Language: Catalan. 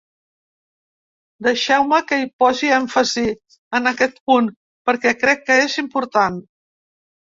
Deixeu-me que hi posi èmfasi, en aquest punt, perquè crec que és important.